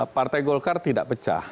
partai golkar tidak pecah